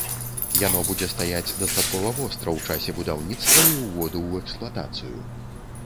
Яно будзе стаяць дастаткова востра ў часе будаўніцтва і ўводу ў эксплуатацыю.